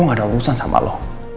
gak ada urusan sama lo